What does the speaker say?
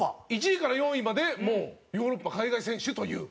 １位から４位までもうヨーロッパ海外選手という。